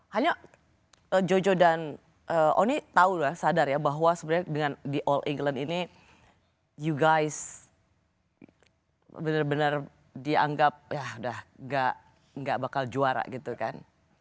hanya jojo dan oni tahu lah sadar ya bahwa sebenarnya dengan di all england ini you guys ⁇ benar benar dianggap ya udah gak bakal juara gitu kan